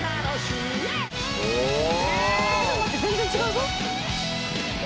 「ちょっと待って全然違うぞ」